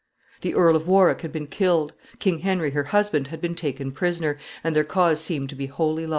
] The Earl of Warwick had been killed. King Henry her husband had been taken prisoner, and their cause seemed to be wholly lost.